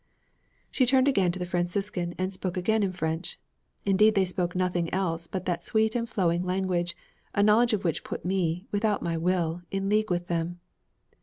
She turned again to the Franciscan, and spoke again in French. Indeed they spoke nothing else but that sweet and flowing language, a knowledge of which put me, without my will, in league with them.